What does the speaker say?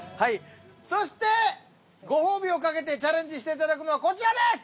そしてご褒美を懸けてチャレンジしていただくのはこちらです！